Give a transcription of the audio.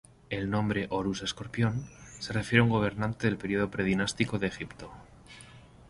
El nombre Horus Escorpión se refiere a un gobernante del periodo predinástico de Egipto.